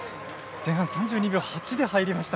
前半３２秒８で入りました。